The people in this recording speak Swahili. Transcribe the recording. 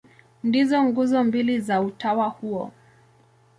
Ndizo nguzo mbili za utawa huo.